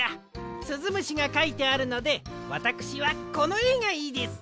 すずむしがかいてあるのでわたくしはこのえがいいです！